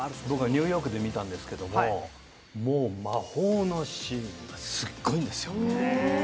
僕はニューヨークで見たんですけれども、もう魔法のシーンがすごいんですよ。